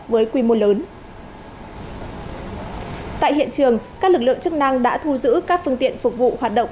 với quy mô lớn tại hiện trường các lực lượng chức năng đã thu giữ các phương tiện phục vụ hoạt động